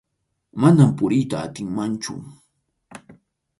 Manam puriyta atinmanchu.